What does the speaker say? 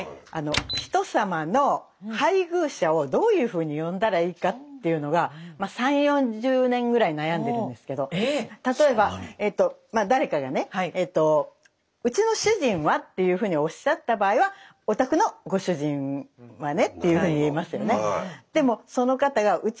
人様の配偶者をどういうふうに呼んだらいいかっていうのが例えば誰かがねうちの主人はっていうふうにおっしゃった場合はお宅のご主人はねっていうふうに言えますよね。